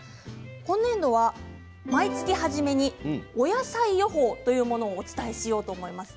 今年度は毎月初めにお野菜予報というのをお伝えしようと思います。